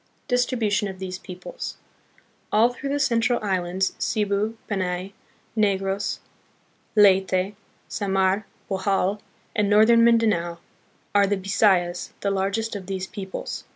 Distribution of These Peoples. All through the cen tral islands, Cebu, Panay, Negros, Leyte, Samar, Bohol and northern Min danao, are the Bi sayas, the largest of these peoples.